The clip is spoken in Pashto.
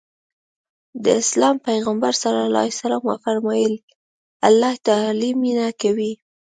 د اسلام پيغمبر ص وفرمايل الله تعالی مينه کوي.